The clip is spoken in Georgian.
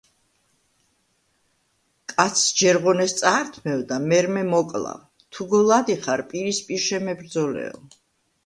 კაცს ჯერ ღონეს წაართმევ და მერმე მოკლავ; თუ გულადი ხარ, პირისპირ შემებრძოლეო!